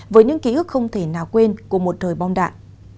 với những ký ức không thể nào quên của một thời bom đạn